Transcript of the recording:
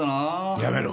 やめろ。